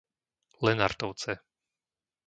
Lenartovce